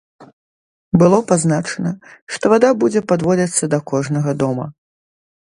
Было пазначана, што вада будзе падводзіцца да кожнага дома.